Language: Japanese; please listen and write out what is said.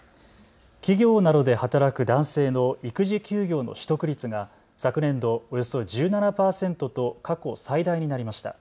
企業などで働く男性の育児休業の取得率が昨年度、およそ１７％と過去最大になりました。